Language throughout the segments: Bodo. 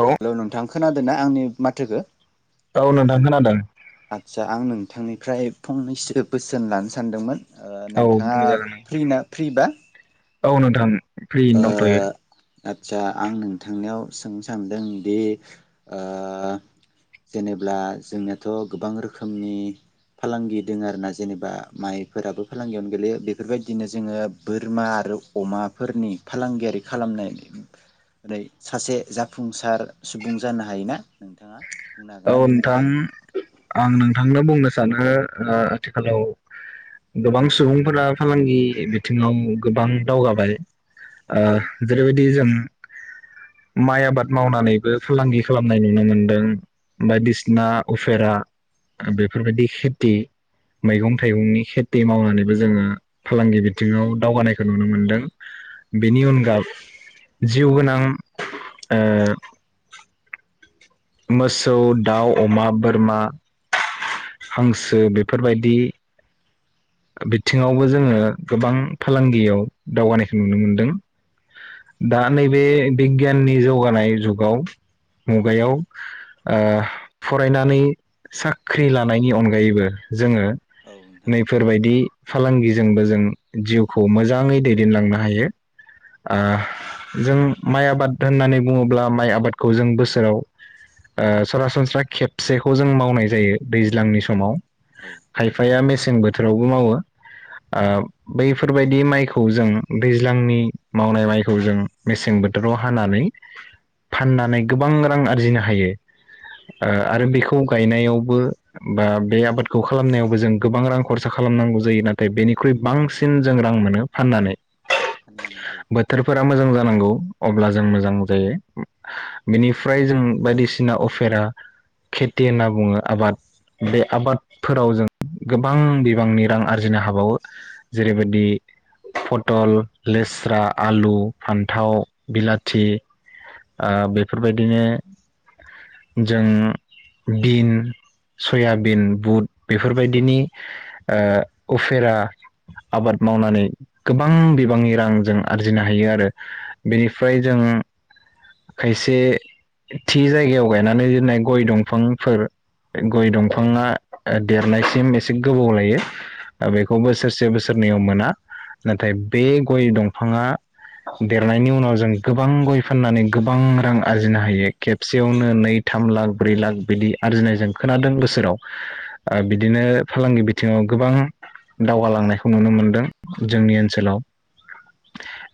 औ हेलौ नोंथां। खोनादोना आंनि माथोखो? ओउ नोंथां खोनादों। थांनिफ्राय फंनैसो बोसोन लानो सानदोंमोन। ओह औ नोंथाङा फ्रिना फ्रिबा? ओउ नोंथां। फ्रि ओ दंथयो। आदसा आं नोंथांनियाव सोंनो सानदोंदि ओह जेनेब्ला जोंनियाथ' गोबां रोखोमनि फालांगि दोङो आरोना जेनेबा माइफोराबो फालांगियावनो गोलैयो बेफोरबायदिनो जोङो बोरमा आरो अमाफोरनि फालांगियारि खालामनाय ओरै सासे जाफुंसार सुबुं जानो हायोना नोंथाङा? बुंनो हागोन ना ओउ बेनि नोंथां बागै आं नोंथांनो बुंनोस सानो ओह आथिखालाव गोबां सुबुंफोरा फालांगि बिथिङाव गोबां दावगाबाय। औ आह जेरैबायदि जों माइ आबाद मावनानैबो फालांगि खालामनाय नुनो मोनदों। बायदिसिना उफेरा बेफोरबायदि खेथि मैगं थाइगंनि खेथि मावनानैबो जोङो फालांगि बिथिङाव दावगानायखौ नुनो मोनदों बेनि अनगा जिउ गोनां ओ मोसौ दाउ अमा बोरमा हांसो बेफोरबायदि बिथिङावबो जोङो गोबां फालांगियाव दावगानायखौ नुनो मोनदों दा नैबे बिगियाननि जौगानाय जुगाव मुगायाव फरायनानै साख्रि लानायनि अनगायैबो जोङो औ नोंथां बादि फालांगिजोंबो जों जिउखौ मोजाङै दैदेनलांनो हायो ओ जों माइ आबाद होननानै बुङोब्ला माइ आबादखौ जों बोसोराव ओ सरासनस्रा खेबसेखौ जों मावनाय जायो दैज्लांनि समाव। औ खायफाया मेसें सें बो थोरावबो मावो ओ बैफोरबायदि माइखौ जों दैज्लांनि मावनाय माइखौ जों मेसें बोथोराव हानानै फाननानै गोबां रां आरजिनो हायो ओ आरो बेखौ गायनायावबो बा बे आबादखौ खालामनायावबो जों गोबां रां खरसा खालामनांगौ जायो नाथाय बेनिख्रुइ बांसिन जों रां मोनो फाननानै। फाननानै औ बोथोरफोरा मोजां जा [unintelligible] जों मोजां जायो बेनिफ्राय जों बायदिसिना अफेरा खेथि होनना बुङो आबाद बे आबादफोराव जों गोबां गोबां बिबांनि रां आरजिनो हाबावो जेरैबायदि फटल लेस्रा आलु फान्थाव बिलाथि ओ बेफोरबायदिनो जों बिन सयाबिन बुद बेफोरबायदिनि ओ उफेरा आबाद मावनानै गोबां बिबांनि रां जों आरजिनो हायो आरो बेनिफ्राय जों खायसे थि जायगायाव गायनानै दोननाय गय दंफांफोर गय दंफाङा देरनायसिम एसे गोबाव लायो बेखौ बोसोरसे बोसोरनैयाव मोना नाथाय बे गय दंफाङा देरनायनि उनाव जों गोबां गय फाननानै गोबां रां आरजिनो हायो खेबसेयावनो नै थाम लाख ब्रै लाख बिदि आरजिनायजों खोनादों बोसोराव ओ बिदिनो फालांगि बिथिङाव गोबां दावगालांनायखौ नुनो मोनदों जोंनि ओनसोलाव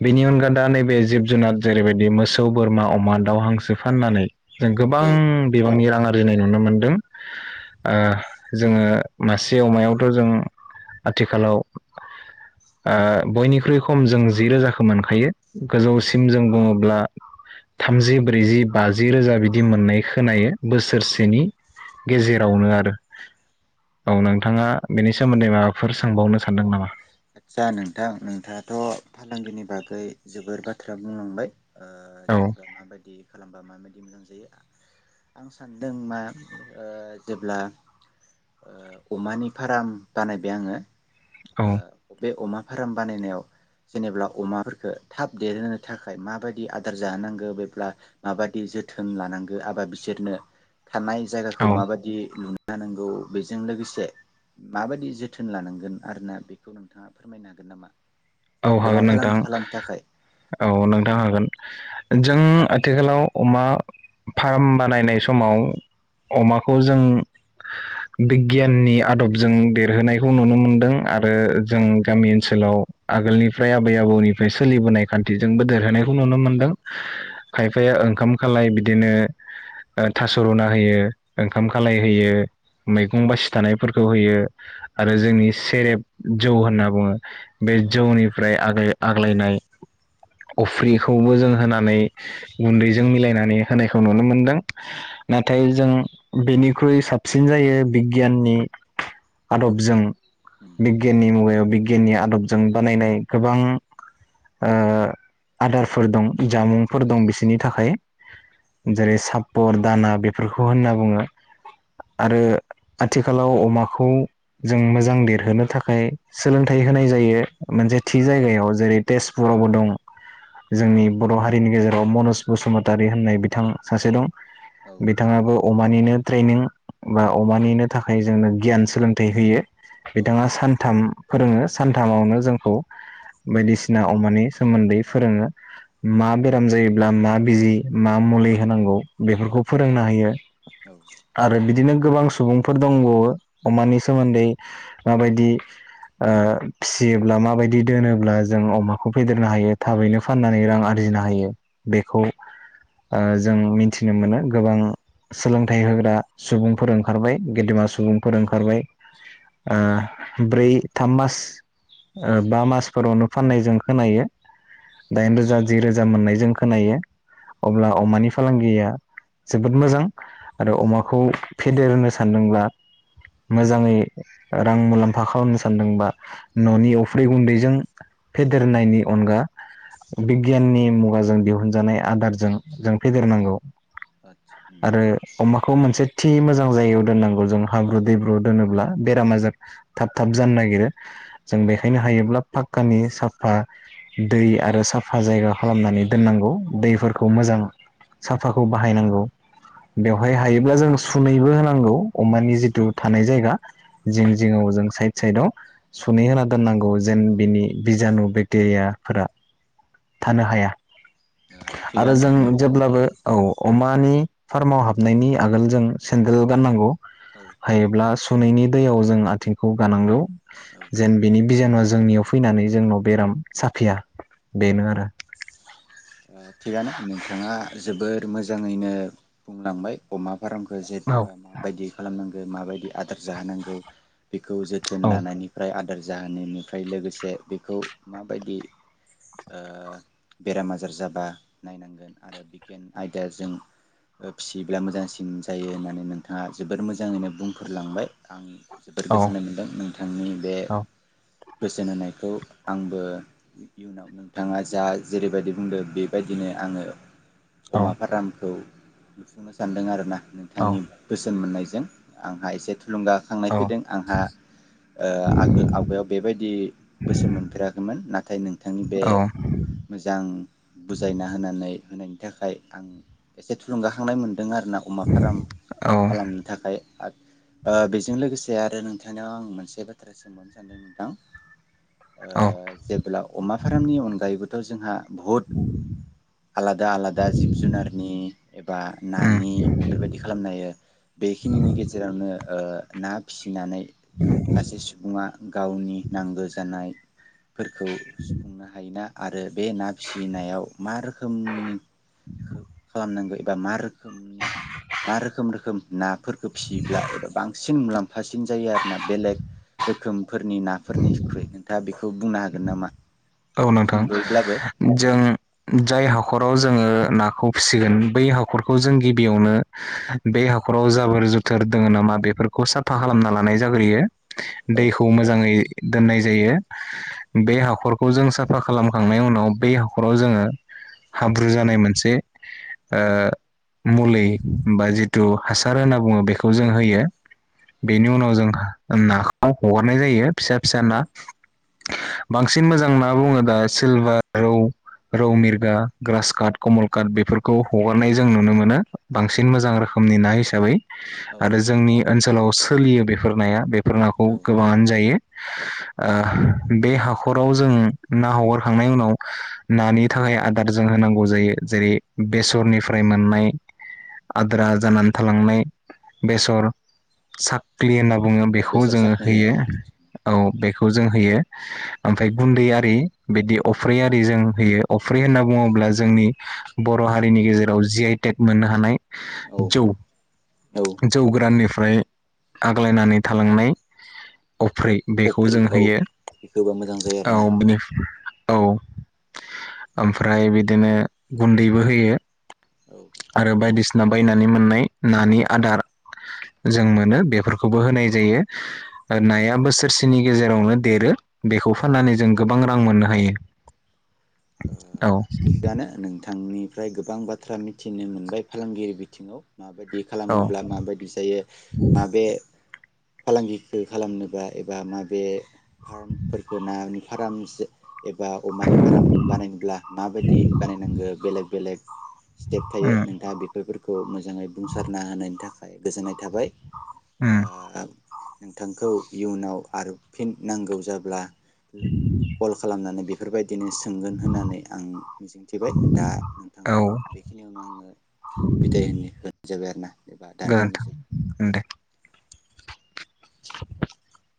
बेनि अनगा दा नैबे जिब जुनार जेरैबायदि मोसौ सौ बोरमा अमा दाउ हांसो फाननानै जों औ गोबां बिबांनि रां [unintelligible] नुनो मोनदों ओ जोङो मासे अमायावथ' जों आथिखालाव ओ बयनिख्रुइ खम जों जि रोजाखौ मोनखायो। गोजौसिम औ जों बुङोब्ला थामजि ब्रैजि बाजि रोजा बिदि मोननाय खोनायो बोसोरसेनि गेजेरावनो आरो औ नोंथाङा बेनि सोमोन्दै माबाफोर सोंबावनो सानदों नामा आदसा नोंथां नोंथाङाथ' फालांगिनि बागै जोबोर बाथ्रा बुंलांबाय। ओ औ जेनेबा माबायदि खालामबा माबाद मोजां जायो आं सानदों मा ओ जेब्ला ओ अमानि फाराम बानायबाय आङो। औ ओ बे अमा फाराम बानायनायाव जेनेब्ला अमाफोरफोरखो थाब देरहोनो थाखाय माबायदि आदार जाहोनांगो बेब्ला माबायदि जोथोन लानांगो एबा बिसोरनो थानाय औ जायगाखौ माबादि [unintelligible] जानांगौ बेजों लोगोसे माबायदि जोथोन लानांगोन आरोना बेखौ नोंथाङा फोरमायनो हागोन नामा? औ अमा हागोन फालांगि नोंथां खालामनो थाखाय औ नोंथां हागोन। जों आथिखालाव अमा फार्म बानायनाय समाव अमाखौ जों बिगियाननि आदबजों देरहोनायखौ नुनो मोनदों आरो जों गामि ओनसोलाव आगोलनिफ्राय आबै आबौनिफ्राय सोलिबोनाय खान्थिजोंबो देरहोनायखौ नुनो मोनदों। औ खायफाया ओंखाम खालाय बिदिनो ओ थास' रुना होयो ओंखाम खालाय होयो मैगं बासि थानायफोरखौ होयो आरो जोंनि सेरेब जौ होनना बुङो बे औ जौनिफ्राय आगाय आग्लायनाय अफ्रिखौबो जों होनानै गुन्दैजों मिलायनानै होनायखौ नुनो मोनदों। नाथाय जों बेनिख्रुइ साबसिन जायो बिगियाननि आदबजों उम बिगियाननि मुगायाव बिगियाननि आदब जों बानायनाय गोबां ओ आदारफोर दं जामुंफोर दं बिसोरनि थाखाय। जेरै सापर दाना बेफोरखौ होनना बुङो आरो आथिखालाव अमाखौ जों मोजां देरहोनो थाखाय सोलोंथाइ होनाय जायो। मोनसे थि जायगायाव जेरै तेजपुरावबो दं। औ जोंनि बर' हारिनि गेजे राव मनज बसुमतारि होननाय बिथां सासे दं। औ बिथाङाबो अमानिनो ट्रेनिं बा अमानिनो थाखाय जोंनो गियान सोलोंथाइ होयो। औ बिथाङा सानथाम फोरोङो सानथामावनो जोंखौ बायदिसिना अमानि सोमोन्दै फोरोङो मा बेराम जायोब्ला मा बिजि मा मुलि होनांगौ औ बेफोरखौ फोरोंना होयो औ आरो बिदिनो गोबां सुबुंफोर दंबावो अमानि सोमोन्दै माबायदि ओ फि सियोब्ला माबायदि दोनोब्ला जों अमाखौ फेदेरनो हायो थाबैनो फाननानै रां आरजिनो हायो बेखौ ओ जों मिथिनो मोनो गोबां सोलोंथाइ होग्रा सुबुंफोर ओंखारबाय गेदेमा सुबुंफोर ओंखारबाय ओ ब्रै थाम मास ओ बा मासफोरावनो फाननाय जों खोनायो। दाइन रोजा जि रोजा मोननाय जों खोनायो। अब्ला अमानि फालांगिया जोबोद मोजां आरो अमाखौ फेदेरनो सानदोंब्ला मोजाङै रां मुलाम्फा खालामनो सानदोंबा न'नि अफ्रि गुन्दैजों फेदेरनायनि अनगा बिगियाननि मुगाजों दिहुनजानाय आदारजों जों फेदेरनांगौ आदसा उम आरो अमाखौ मोनसे थि मोजां जायगायाव दोननांगौ जों हाब्रु दैब्रु दोनोब्ला बेराम आजार थाब थाब जानो नागिरो। जों बेखायनो हायोब्ला पाक्कानि साफा दै आरो साफा जायगा खालामनानै दोननांगौ दैफोरखौ मोजां साफाखौ बाहायनांगौ बेवहाय हायोब्ला जों सुनैबो होनांगौ अमानि जिथु थानाय जायगा जिं जिङाव जों साइद साइदआव सु नै होना दोननांगौ औ जेन औ ओ बिनि बिजानु बेक्टेरियाफोरा थानो हाया। आरो थिगानो जों उम जेब्लाबो औ अमानि फार्माव हाबनायनि आगोल जों सेन्देल गाननांगौ औ हायोब्ला सुनैनि दैयाव जों आथिंखौ गानांगौ औ जेन बेनि बिजानुया जोंनियाव फैनानै जोंनियाव बेराम साफिया। बेनो आरो ओ थिगानो नोंथाङा जोबोर मोजाङैनो बुंलांबाय अमा फारामखो जेतुबा माबायदि खालामनां गो माबायदि आदार जाहोनांगौ बेखौ जोथोन औ लानायनिफ्राय आदार जाहोननिनिफ्राय लोगोसे बेखौ माबायदि ओ बेराम आजार जाब बा नायनांगोन आरो बिगियान आयदाजों फिसियोब्ला मोजांसिन जायो होननानै नोंथाङा जोबोर मोजाङैनो बुंफोरलांबाय आं जोबोर औ गोजोननाय मोनदों नोंथांनि बे औ बोसोन होनायखौ आंबो इयुनाव नोंथाङा जा जेरैबायदि बुंदों बे बेबायदिनो आङो औ अमा फारामखौ लुफुंनो सान्दों आरो ना औ नोंथांनि बोसोन मोननाय जों आंहा एसे थुलुंगाखांनाय फैदों आंहा ओ आगोल आवगायाव बेबायदि बोसोन मोनफेराखैमोन नाथाय नोंथांनि बे औ मोजां बुजायना होनानै होनायनि थाखाय आं एसे थुलुंगाखांनाय मोनदों दों आरो ना अमा फार्म औ खालामनो थाखाय ओ बेजों लोगोसे आरो नोंथांनाव आं मोनसे बाथ्रा सोंबावनो सानदों नोंथां ओ औ जेब्ला अमा फार्मनि अनगायैबो जोंहा आलादा -आलादा जिब जुनारनि एबा नानि बेफोरबायदि खालामनो हायो बेखिनिनि गेजेरावनो ओ ना फिसि नानै सासे सुबुङा गावनि नांगौ जानाय फोरखौ सुफुंनो हायोना। आरो बे ना फिसि [unintelligible] नायाव मा रोखोमनि खालामनांगौ एबा मा रोखोमनि मा रोखोम रोखोम ना फोरखो फिसियोब्ला एबा बांसिन मुलाम्फा सिन जायो आरोना बेलेग रोखोम फोरनि नाफोरनि ख्रुइ नोंथाङा बे बुंनो हागोन नामा? औ नोंथां सुंद'यैब्लाबो जों जाय हाखराव जोङो नाखौ फिसिगोन बै हाखरखौ जों गिबियावनो बे हाखराव जाबोर जुथोर दोङो नामा बेफोरखौ साफा खालामना लानाय जाग्रोयो। औ दैखौ मोजाङै दोननाय जायो बे हाखर खौ जों साफा खालामखांनायनि उनाव बे हाखराव जोङो हाब्रु जानाय मोनसे ओ मुलि बा जिथु हासार होनना बुङो बेखौ जों औ होयो बेनि उनाव जों नाखौ हगारनाय जायो फिसा -फिसा औ ना बांसिन बांसिन मोजां ना बुङो दा सिलभार रौ रौ मिरगा ग्रास काट कमलकाट बेफोरखौ हगारनाय जों नुनो मोनो बांसिन मोजां रोखोमनि ना हिसाबै औ आरो जोंनि ओनसोलाव सोलियो बेफोर नाया फोर नाखौ औ गोबाङानो जायो। आ बे हाख खराव जों ना हगारखांनायनि उनाव नानि थाखाय आदार जों होनांगौ जायो जेरै बेसरनिफ्राय मोननाय आद्रा जानानै थालांनाय बेसर साख्लि होनना बुङो औ बेखौ बेसर जोङो साखनि होनो होयो औ बेसर साखनि औ बेखौ जों होयो। ओमफ्राय गुन्दै आरि बिदि अफ्रि आरि जों होयो अफ्रि होनना बुङोब्ला जोंनि बर' हारिनि गेजेराव जि आइ टेट मोननो हानाय औ जौ औ जौ गोराननिफ्रा ओमफ्राय आग्लायनानै थालांनाय अफ्रि बेखौ अफ्रि जों औ होयो। बेखौबा मोजां जायो आरोना औ [unintelligible] औ ओमफ्राय बिदिनो गुन्दैबो होयो। औ आरो बायदिसिना बायनानै मोननाय नानि आदार जों मोनो बेफोरखौबो होनाय जायो ओ नाया बोसोरसेनि गेजेरावनो देरो बेखौ ओ फाननानै जों गोबां रां मोननो हायो। औ थिगानो नों थांनिफ्राय गोबां बाथ्रा मिथिनो मोनबाय फालांगिरि बिथिङाव। माबायदि औ खालामोब्ला माबायदि जायो माबे फालांगिखौ खालामनोबा एबा माबे फार्मफोरखौ ना फारामसे एबा अमानि फार्म बानायनोब्ला माबायदि बानायनांगो बेलेग बेलेग स्टेप थायो उम नोंथाङा बेफोरखौ मोजाङै बुंसारना होनायनि थाखाय गोजोननाय थाबाय। होम ओ नोंथांखौ इयुनाव आरो फिन नांगौ जाब्ला कल खालामनानै बे बेफोरबायदिनो सोंगोन होननानै आं मिजिंथिबाय दा औ नोंथांखौ बेखिनियावनो आङो बिदाय होनो होनाय जाबाय आरोना एबा गोजोन्थों दानथ'नायसै दे [inaudible]